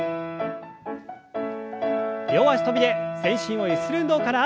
両脚跳びで全身をゆする運動から。